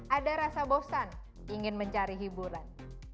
ada rasa bosan ingin mencari hiburan